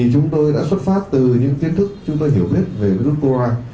chúng tôi đã xuất phát từ những kiến thức chúng tôi hiểu biết về virus corona